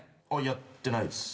やってないです。